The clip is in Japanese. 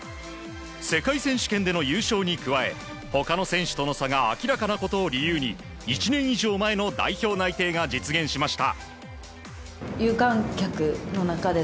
世界選手権での優勝に加え他の選手との差が明らかなことを理由に１年以上前の代表内定が実現しました。